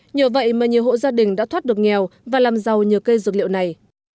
nhờ vậy mà nhiều hộ gia đình đã thoát được nghèo và làm giàu nhờ cây dược liệu này